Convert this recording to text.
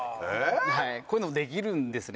こういうのもできるんですね。